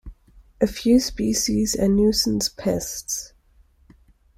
A few species are nuisance pests.